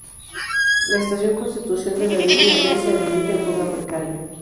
La estación Constitución de la Línea E se habilita en forma precaria.